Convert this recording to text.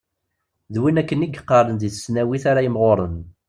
D win akken i yeɣɣaren deg tesnawit ara yimɣuren.